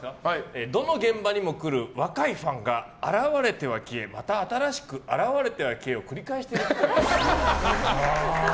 どの現場にも来る若いファンが現れては消えまた新しく現れては消えを繰り返してるっぽい。